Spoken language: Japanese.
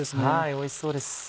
おいしそうです。